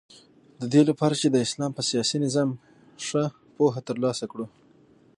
ددې لپاره چی د اسلام په سیاسی نظام ښه پوهه تر لاسه کړو